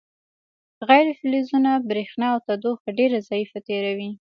غیر فلزونه برېښنا او تودوخه ډیره ضعیفه تیروي.